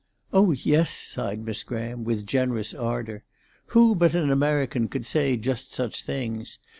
"Oh yes," sighed Miss Graham, with generous ardour. "Who but an American could say just such things?